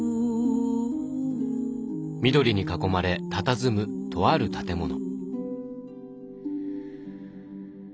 緑に囲まれたたずむとある建物。